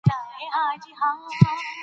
په ساعت تیرۍ کي افراط کول لیونتوب دی.